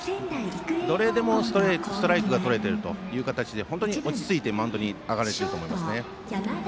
どれでもストライクがとれているという形で本当に落ち着いてマウンドに上がれていると思います。